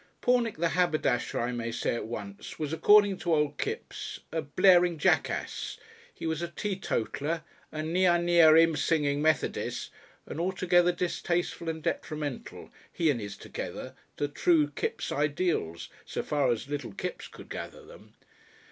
Pornick, the haberdasher, I may say at once, was, according to old Kipps, a "blaring jackass"; he was a teetotaller, a "nyar, nyar, 'im singing Methodis'," and altogether distasteful and detrimental, he and his together, to true Kipps ideals, so far as little Kipps could gather them.